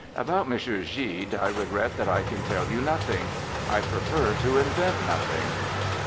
About M. Gide I regret that I can tell you nothing; I prefer to invent nothing.